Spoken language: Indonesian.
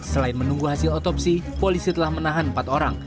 selain menunggu hasil otopsi polisi telah menahan empat orang